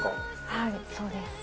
はいそうです。